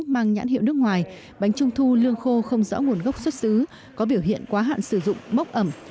mang nhãn hiệu nước ngoài bánh trung thu lương khô không rõ nguồn gốc xuất xứ có biểu hiện quá hạn sử dụng mốc ẩm